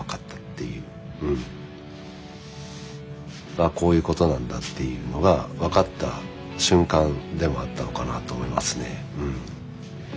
あっこういうことなんだっていうのが分かった瞬間でもあったのかなと思いますね。